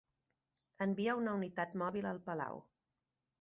Envia una unitat mòbil al Palau.